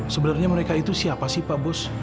sebenarnya mereka itu siapa sih pak bus